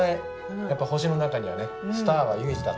やっぱ星の中にはねスターはユージだと。